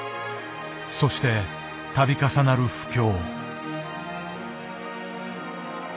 そしてたび重なる不況。